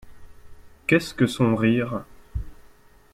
Qu’est-ce que son rire?